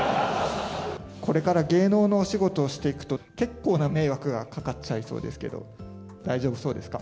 これから芸能のお仕事をしていくと、結構な迷惑がかかっちゃいそうですけど、大丈夫そうですか？